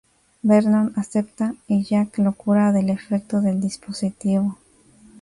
Vernon acepta y Jack lo cura del efecto del dispositivo.